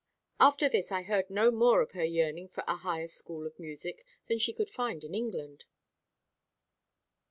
After this I heard no more of her yearning for a higher school of music than she could find in England."